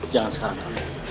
jangan sekarang kak